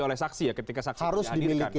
oleh saksi ya ketika saksi dihadirkan harus dimiliki